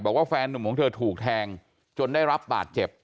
แฟนนุ่มของเธอถูกแทงจนได้รับบาดเจ็บ